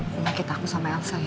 penyakit aku sama elsa ya